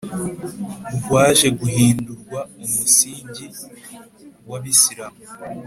rwaje guhindurwa umusigi w’ Abasilamu